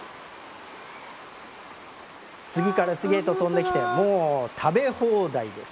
次から次へと跳んできてもう食べ放題です。